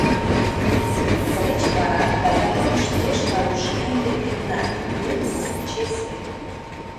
Тылеч вара таза мӱкш ешла ушнен тергенна: кӧн мут чесле?